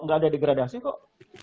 enggak ada degradasi kok